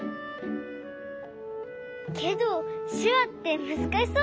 けどしゅわってむずかしそうだよね。